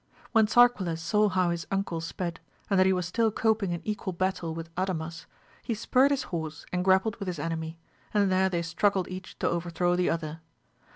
When Sarquiles saw how his uncle sped, and that he was still coping in equal battle with Adamas, he spurred his horse and grappled with his enemy, and there they struggled each to overthrow the other.